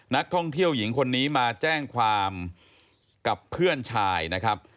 นักท่องเที่ยวหญิงคนนี้มาแจ้งความกับเพื่อนชายนะครับ